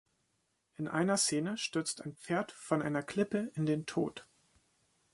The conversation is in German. In einer Szene stürzt ein Pferd von einer Klippe in den Tod.